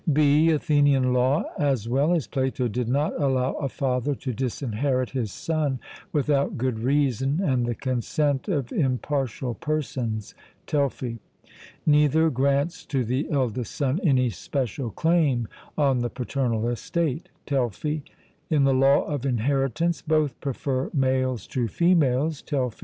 (b) Athenian law, as well as Plato, did not allow a father to disinherit his son without good reason and the consent of impartial persons (Telfy). Neither grants to the eldest son any special claim on the paternal estate (Telfy). In the law of inheritance both prefer males to females (Telfy).